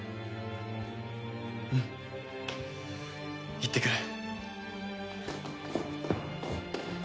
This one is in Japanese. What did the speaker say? うん。いってくる。